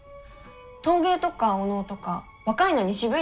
陶芸とかお能とか若いのに渋いんですね。